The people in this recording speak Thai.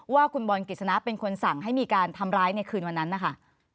ว่าคุณบอลกฤษณะเป็นคนสั่งให้มีการทำร้ายในคืนวันนั้นนะคะ